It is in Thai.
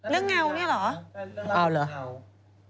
เรื่องเงานี่เหรอ